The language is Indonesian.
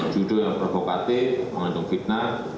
judul yang provokatif mengandung fitnah